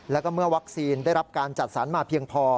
แล้วก็เมื่อวัคซีนได้รับการจัดสรรมาเพียงพอ